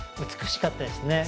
美しかったですね。